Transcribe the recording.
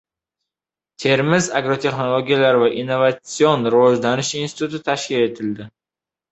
Termiz agrotexnologiyalar va innovasion rivojlanish instituti tashkil etildi